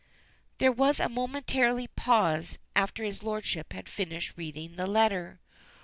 There was a momentary pause after his lordship had finished reading the letter.